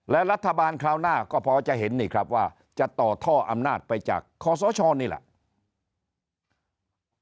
และรัฐบาลคราวหน้าก็พอจะเห็นนี่ครับว่าจะต่อท่ออำนาจไปจากคอสชนี่แหละ